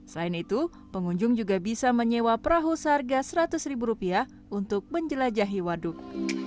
selain itu pengunjung juga bisa menyewa perahu seharga seratus ribu rupiah untuk menjelajahi waduk